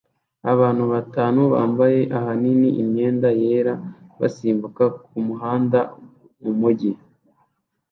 Abantu batanu bambaye ahanini imyenda yera basimbuka kumuhanda mumujyi